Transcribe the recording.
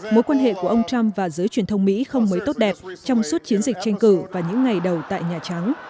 mối quan hệ của ông trump và giới truyền thông mỹ không mới tốt đẹp trong suốt chiến dịch tranh cử vào những ngày đầu tại nhà trắng